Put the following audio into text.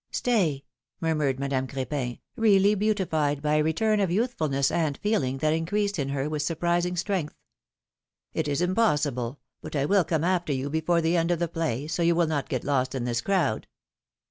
^^Stay,^^ murmured Madame Cr^pin, really beautified by a return of youthfulness and feeling, that increased in her with surprising strength. ^Mt is impossible; but I will come after you before the end of the play, so you will not get lost in this crowd.